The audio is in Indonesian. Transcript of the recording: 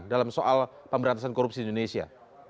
dalam soal pemberantasan korupsi di indonesia